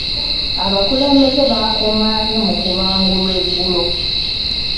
Abakulembeze bakungaanye mu kubangulwa eggulo.